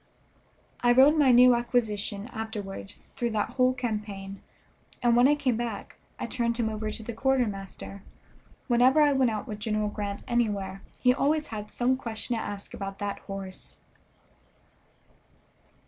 I rode my new acquisition afterward through that whole campaign, and when I came away I turned him over to the quartermaster. Whenever I went out with General Grant anywhere he always had some question to ask about that horse.